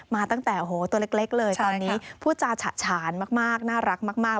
มาตั้งแต่ตัวเล็กเลยตอนนี้พูดจาฉะฉานมากน่ารักมาก